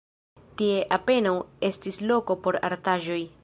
Tie apenaŭ estis loko por artaĵoj.